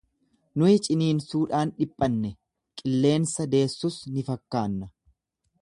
Nuyi ciniinsuudhaan dhiphanne, qilleensa deessus ni fakkaanna.